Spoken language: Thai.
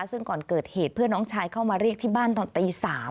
ซึ่งก่อนเกิดเหตุเพื่อนน้องชายเข้ามาเรียกที่บ้านตอนตี๓